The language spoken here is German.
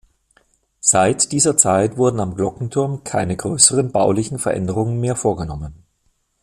Seit dieser Zeit wurden am Glockenturm keine größeren baulichen Veränderungen mehr vorgenommen.